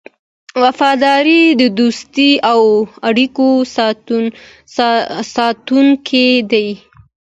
وفاداري د دوستۍ او اړیکو ساتونکی دی.